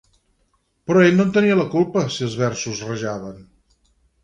Però ell no en tenia la culpa, si els versos rajaven…